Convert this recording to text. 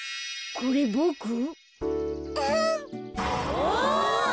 お！